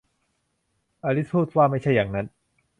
อลิซพูดว่า ไม่ใช่อย่างนั้น